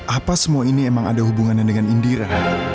apa semua ini emang ada hubungannya dengan indira